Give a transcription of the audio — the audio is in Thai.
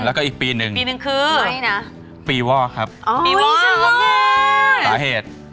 แล้วก็อีกปีนึงคือปีวอกครับปีวอกหลายเหตุ